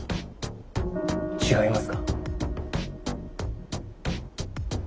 違いますか？